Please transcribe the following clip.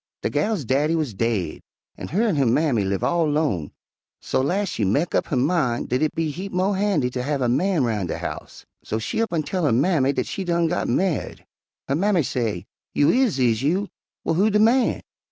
"De gal's daddy wuz daid an' her an' her mammy live all 'lone, so las' she mek up her min' dat it be heap mo' handy ter have a man roun' de house, so she up an' tell her mammy dat she done got ma'ied. Her mammy say, 'You is, is you? Well, who de man?'